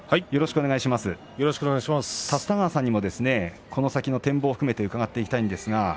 立田川さんにもこの先の展望を含めて伺っていきます。